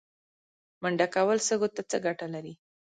منډه کول سږو ته څه ګټه لري؟